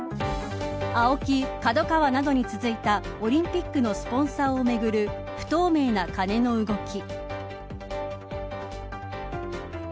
ＡＯＫＩＫＡＤＯＫＡＷＡなどに続きオリンピックのスポンサーをめぐる、不透明な金の動き。